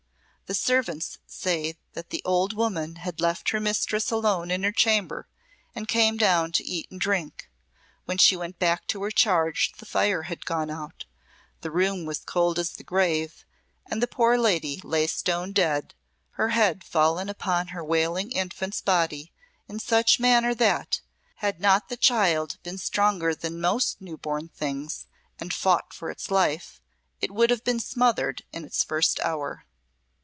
The servants say that the old woman had left her mistress alone in her chamber and came down to eat and drink. When she went back to her charge the fire had gone out the room was cold as the grave, and the poor lady lay stone dead, her head fallen upon her wailing infant's body in such manner that, had not the child been stronger than most new born things and fought for its life, it would have been smothered in its first hour."